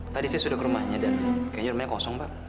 tadi saya sudah ke rumahnya dan kayaknya rumahnya kosong pak